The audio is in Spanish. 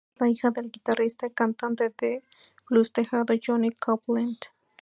Es la hija del guitarrista y cantante de blues tejano Johnny Copeland.